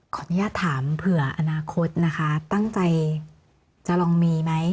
ขออนุญาตถามเผื่ออนาคตนะคะตั้งใจจะลองมีไหม